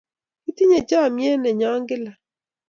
kiteche chamiet ne nyo kila